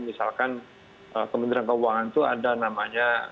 misalkan kementerian keuangan itu ada namanya